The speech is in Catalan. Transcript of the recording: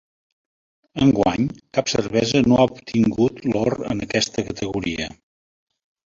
Enguany cap cervesa no ha obtingut l’or en aquesta categoria.